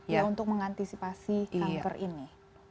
ya untuk mengantisipasi kanker ini